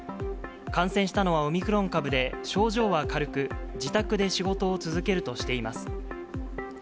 感染したのはオミクロン株で、症状は軽く、自宅で仕事を続けるとしています。